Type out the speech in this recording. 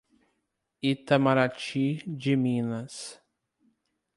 Itamarati de Minas